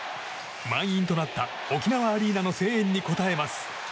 満員となった沖縄アリーナの声援に応えます。